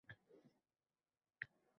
— Na…hot…ki… Na…hot…ki?!